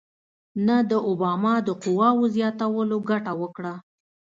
نه د اوباما د قواوو زیاتولو ګټه وکړه.